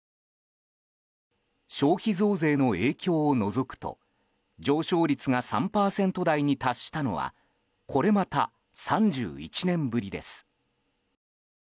消費増税の影響を除くと上昇率が３％台に達したのはこれまた、３１年ぶりです。